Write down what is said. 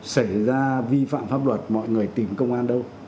xảy ra vi phạm pháp luật mọi người tìm công an đâu